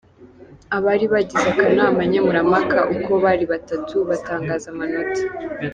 Abari bagize akanama nkemurampaka uko ari batatu batangaza amanota.